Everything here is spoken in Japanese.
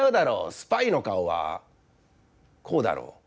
スパイのかおはこうだろう」。